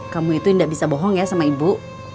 kamu itu tidak bisa bohong ya sama ibu